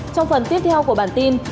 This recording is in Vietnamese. trong phần tiếp theo của bản tin